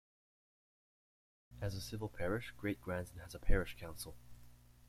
As a civil parish, Great Gransden has a parish council.